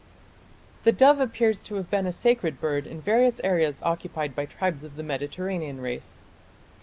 The dove appears to have been a sacred bird in various areas occupied by tribes of the Mediterranean race.